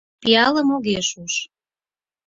Пиалым огеш уж.